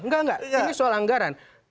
enggak enggak ini soal anggaran